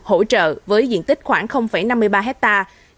hỗ trợ với diện tích khoảng năm hectare